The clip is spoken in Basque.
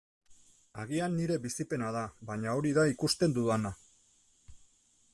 Agian nire bizipena da, baina hori da ikusten dudana.